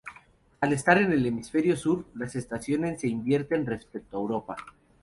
Al estar en el hemisferio sur, las estaciones se invierten respecto a Europa.